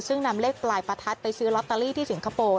ซึ่งนำเลขปลายประทัดไปซื้อลอตเตอรี่ที่สิงคโปร์